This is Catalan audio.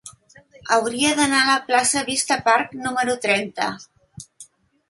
Hauria d'anar a la plaça de Vista Park número trenta.